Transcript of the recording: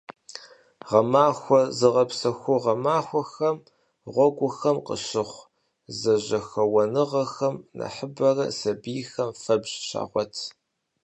Гъэмахуэ зыгъэпсэхугъуэ махуэхэм гъуэгухэм къыщыхъу зэжьэхэуэныгъэхэм нэхъыбэрэ сабийхэм фэбжь щагъуэт.